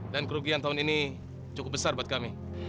dan kerugian tahun ini cukup besar buat kami